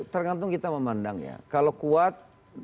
tergantung kita memandangnya kalau kuat